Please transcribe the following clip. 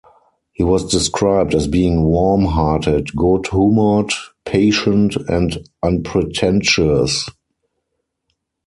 He was described as being warm-hearted, good-humoured, patient, and unpretentious.